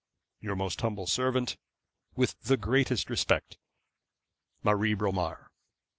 'Your most humble servant, 'With the greatest respect, 'MARIE BROMAR.'